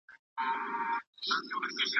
علم د انسان د شخصيت بشپړونکی دی.